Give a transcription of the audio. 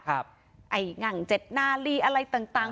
ไอ้หง่างเจ็ดหน้าลี่อะไรต่าง